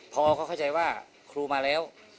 พอเขาเข้าใจว่าครูมาแล้ว